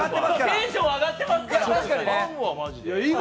テンションは上がってますから。